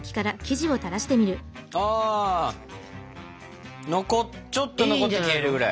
ああちょっと残って消えるぐらい。